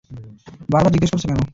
বারবার জিজ্ঞেস করছো কেন?